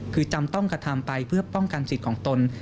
คือจำต้องกระทำไปเพื่อป้องกันสิทธิ์ของตน